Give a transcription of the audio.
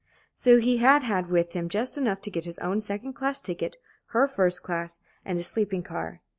So he had had with him just enough to get his own second class ticket, her first class, and a sleeping car.